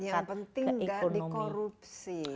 yang penting tidak di korupsi